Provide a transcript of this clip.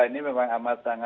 ini rancang karena